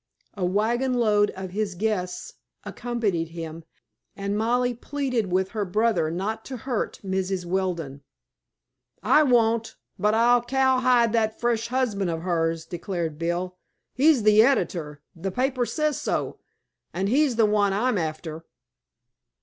A wagonload of his guests accompanied him, and Molly pleaded with her brother not to hurt Mrs. Weldon. "I won't; but I'll cowhide that fresh husband of hers," declared Bill. "He's the editor the paper says so and he's the one I'm after!"